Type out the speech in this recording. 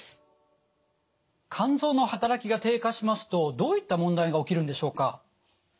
肝臓の働きが低下しますとどういった問題が起きるんでしょうか？